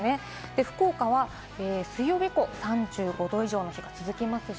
福岡は水曜日以降、３５度以上の日が続きます。